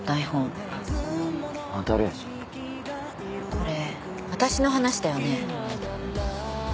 これ私の話だよね。